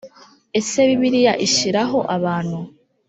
ese bibiliya ishyiriraho abantu